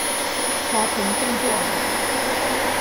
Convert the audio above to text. ขอผมเป็นห่วง